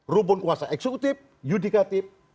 rumpun kuasa eksekutif yudikatif